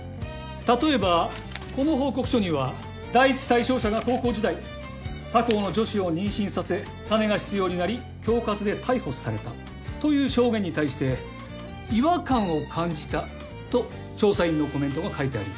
例えばこの報告書には「第１対象者が高校時代他校の女子を妊娠させ金が必要になり恐喝で逮捕された」という証言に対して「違和感を感じた」と調査員のコメントが書いてあります。